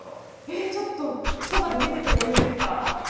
えっちょっとそばで見ててもいいですか？